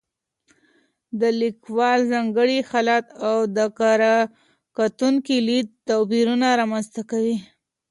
د لیکوال ځانګړی حالت او د کره کتونکي لید توپیرونه رامنځته کوي.